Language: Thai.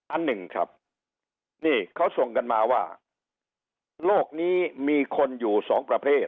อันหนึ่งครับนี่เขาส่งกันมาว่าโลกนี้มีคนอยู่สองประเภท